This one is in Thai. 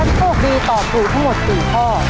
ถ้าโชคดีตอบถูกทั้งหมด๔ข้อ